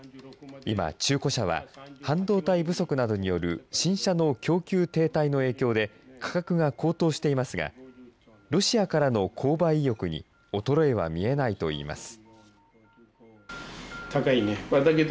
今、中古車は半導体不足などによる新車の供給停滞の影響で価格が高騰していますが、ロシアからの購買意欲に衰えは見えないといいます。